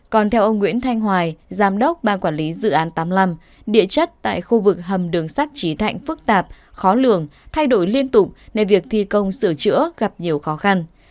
còn theo ông nguyễn thanh hoài giám đốc ban quản lý dự án tám mươi năm địa chất tại khu vực hầm đường sắt trí thạnh phức tạp khó lường thay đổi liên tục nên việc thi công sửa chữa gặp nhiều khó khăn